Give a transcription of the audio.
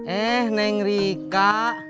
eh neng rika